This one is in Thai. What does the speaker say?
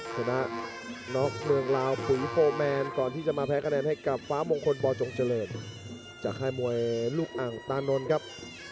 ชนะน็อกเมืองลาวปุ๋ยโฟร์แมนก่อนที่จะมาแพ้คะแนนให้กับฟ้ามงคลบจงเจริญจากค่ายมวยลูกอ่างตานนท์ครับ